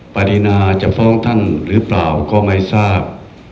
ปรินาจะฟ้องท่านหรือเปล่าก็ไม่ทราบ